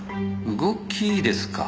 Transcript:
動きですか？